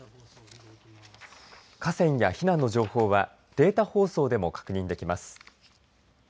河川や避難の情報はデータ放送でも確認できます。